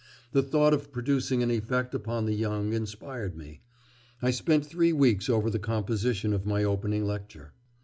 The thought of producing an effect upon the young inspired me. I spent three weeks over the composition of my opening lecture.